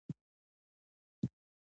د روم خلک باید بوخت ساتل شوي وای.